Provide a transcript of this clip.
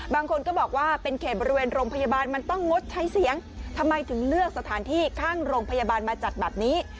บางคนก็บอกว่าเป็นเขตบริเวณโรงพยาบาลมันต้องงดใช้เสียงทำไมถึงเลือกสถานที่ข้างโรงพยาบาลมาจัดแบบนี้